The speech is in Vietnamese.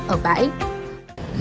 ở bãi biển